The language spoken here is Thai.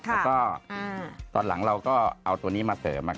แล้วก็ตอนหลังเราก็เอาตัวนี้มาเสริม